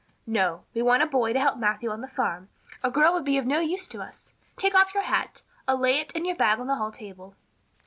"No. We want a boy to help Matthew on the farm. A girl would be of no use to us. Take off your hat. I'll lay it and your bag on the hall table."